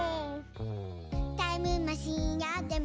「タイムマシンあっても」